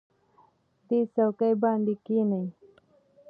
دې څوکۍ باندې کېنئ.